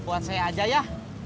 buat saya aja ya